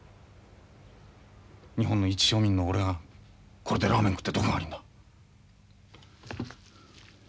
日本の一庶民の俺がこれでラーメン食ってどこが悪いんだ。